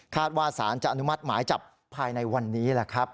ว่าสารจะอนุมัติหมายจับภายในวันนี้แหละครับ